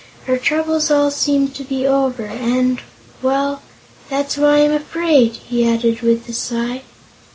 Our troubles all seem to be over, and well, that's why I'm afraid," he added, with a sigh.